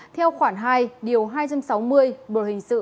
theo khoản hai điều hai trăm sáu mươi bộ hình sự